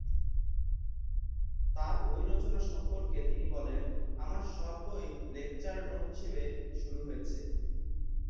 তার বই রচনা সম্পর্কে তিনি বলেন, ""আমার সব বই লেকচার নোট হিসেবে শুরু হয়েছে।